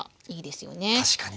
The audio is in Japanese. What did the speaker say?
確かに。